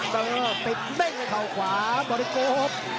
ติดเบ้งเข้าขวาบริโกฟ